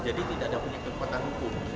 jadi tidak ada penyakit kekuatan hukum